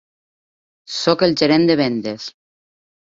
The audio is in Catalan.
Soc el gerent de vendes.